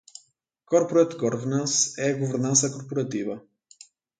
Corporate Governance é a governança corporativa.